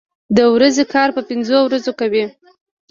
د ورځې کار په پنځو ورځو کوي.